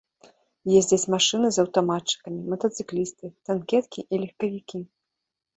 Ездзяць машыны з аўтаматчыкамі, матацыклісты, танкеткі і легкавікі.